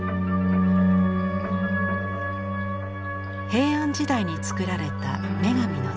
平安時代に作られた女神の像。